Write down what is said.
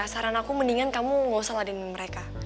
saran aku mendingan kamu gak usah laden mereka